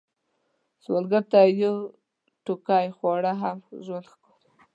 سوالګر ته یو ټوقی خواړه هم ژوند ښکاري